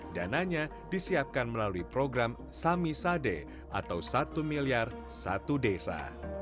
dananya disiapkan melalui program samisade atau satu miliar satu desa